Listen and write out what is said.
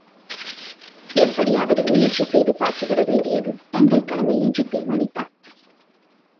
எப்படியாவது முயற்சி செய்து பார்த்துவிட வேண்டியது தங்கள் கடமை என்று தீர்மானித்தான்.